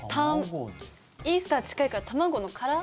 イースター近いから卵の殻？